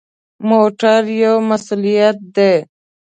موټر یو مسؤلیت دی.